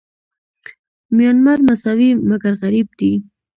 میانمار مساوي مګر غریب دی.